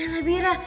iya lah bira